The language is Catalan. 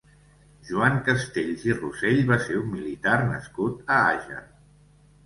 Joan Castells i Rossell va ser un militar nascut a Àger.